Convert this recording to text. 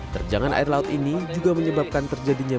terjangan air laut ini juga menyebabkan terjadinya